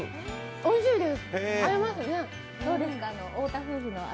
おいしいです。